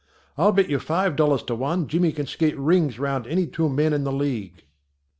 "I'll bet you five dollars to one Jimmy can skate rings round any two men in the league."